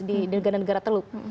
di negara negara teluk